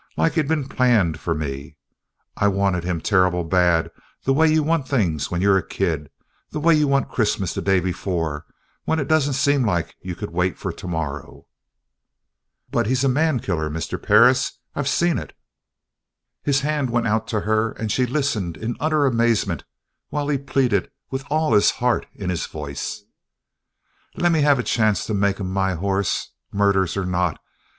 Like he'd been planned for me. I wanted him terrible bad, the way you want things when you're a kid the way you want Christmas the day before, when it don't seem like you could wait for tomorrow." "But he's a man killer, Mr. Perris. I've seen it!" His hand went out to her and she listened in utter amazement while he pleaded with all his heart in his voice. "Lemme have a chance to make him my hoss, murders or not!